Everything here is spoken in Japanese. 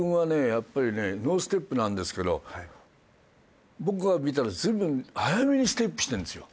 やっぱりねノーステップなんですけど僕が見たら随分早めにステップしてるんですよ。